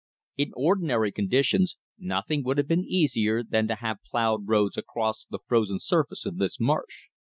In ordinary conditions nothing would have been easier than to have ploughed roads across the frozen surface of this marsh.